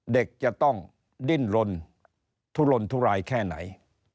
เด็กจะต้องดิ้นลนทุลนทุรายแค่ไหน